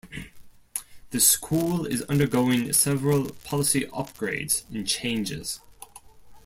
The school is undergoing several policy upgrades and changes.